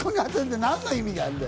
何の意味があるんだよ。